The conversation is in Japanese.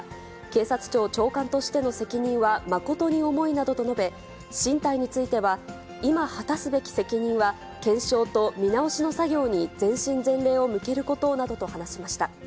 警察庁長官としての責任は誠に重いなどと述べ、進退については今果たすべき責任は、検証と見直しの作業に全身全霊を向けることなどと話しました。